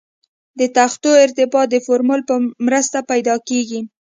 د تختو ارتفاع د فورمول په مرسته پیدا کیږي